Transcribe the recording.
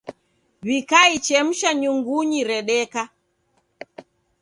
Wikaichemusha nyungunyi redeka.